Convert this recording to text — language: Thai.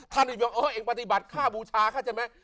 ท่านอิงปฏิบัติข้าบูชาเข้าใจไหม